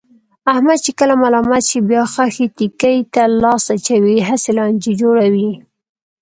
احمد چې کله ملامت شي، بیا خښې تیګې ته لاس اچوي، هسې لانجې جوړوي.